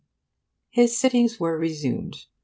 His sittings were resumed.